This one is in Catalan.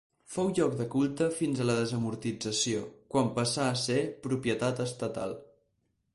Fou lloc de culte fins a la desamortització, quan passà a ser propietat estatal.